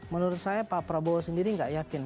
menurut saya pak prabowo sendiri gak yakin